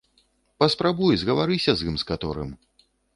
Паспрабуй, згаварыся з ім, з каторым.